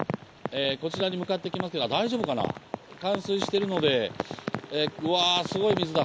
こちらに向かってきますが、大丈夫かな、冠水してるので、うわー、すごい水だ。